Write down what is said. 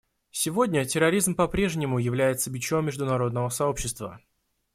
Сегодня терроризм попрежнему является бичом международного сообщества.